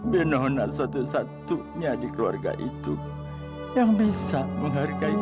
biar nona satu satunya di keluarga itu yang bisa menghargai aku